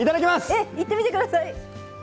えっいってみてください！